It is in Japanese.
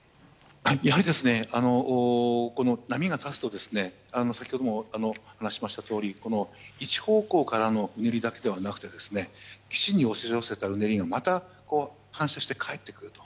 やはり波が立つと先ほども話しましたとおり一方向からのうねりだけではなく岸に押し寄せたうねりがまた反射して返ってくると。